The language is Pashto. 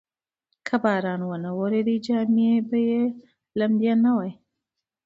که باران نه وریده، جامې به یې لمدې نه وای.